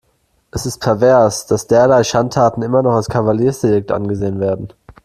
Es ist pervers, dass derlei Schandtaten immer noch als Kavaliersdelikt angesehen werden.